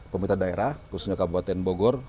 pemerintah daerah khususnya kabupaten bogor